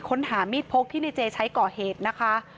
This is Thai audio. ค้นหามีดพกที่ในเจใช้ก่อเหตุนะคะ